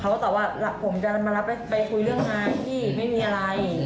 เขาก็ตอบว่าผมจะมารับไปคุยเรื่องงานพี่ไม่มีอะไร